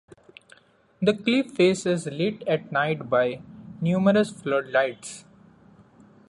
The cliff face is lit at night by numerous flood lights.